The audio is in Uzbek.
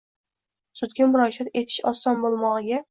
Sudga murojaat etish oson bo‘lmog‘iga